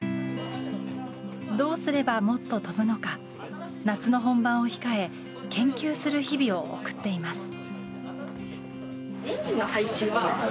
どうすればもっと飛ぶのか夏の本番を控え研究する日々を送っています。